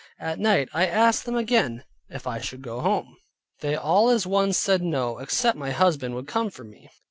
At night I asked them again, if I should go home? They all as one said no, except my husband would come for me.